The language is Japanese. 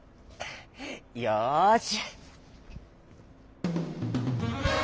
よし！